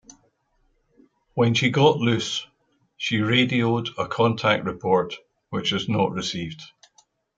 When she got loose, she radioed a contact report, which was not received.